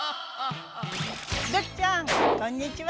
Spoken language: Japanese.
土器ちゃんこんにちは！